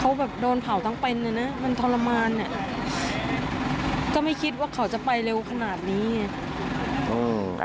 เขาแบบโดนเผาทั้งเป็นเลยนะมันทรมานอ่ะก็ไม่คิดว่าเขาจะไปเร็วขนาดนี้ไง